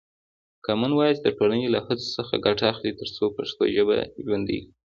کامن وایس د ټولنې له هڅو څخه ګټه اخلي ترڅو پښتو ژبه ژوندۍ کړي.